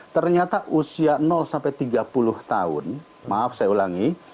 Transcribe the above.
ternyata usia sampai tiga puluh tahun maaf saya ulangi